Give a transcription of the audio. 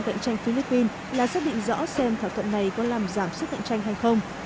cạnh tranh philippines là xác định rõ xem thỏa thuận này có làm giảm sức cạnh tranh hay không